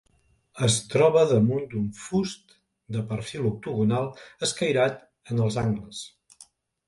Es troba damunt d'un fust de perfil octogonal escairat en els angles.